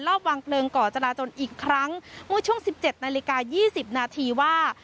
รอบวางเพลิงก่อจราจนอีกครั้งเมื่อช่วงสิบเจ็ดนาฬิกายี่สิบนาทีว่า